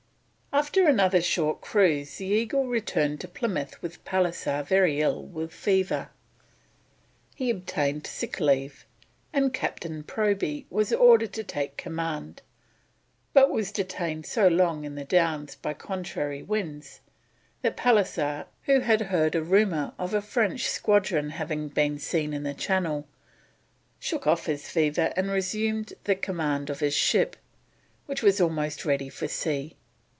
After another short cruise the Eagle returned to Plymouth with Pallisser very ill with fever. He obtained sick leave, and Captain Proby was ordered to take command, but was detained so long in the Downs by contrary winds that Pallisser, who had heard a rumour of a French squadron having been seen in the Channel, shook off his fever and resumed the command of his ship, which was almost ready for sea.